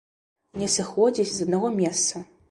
Не сыходзіць з аднаго месца!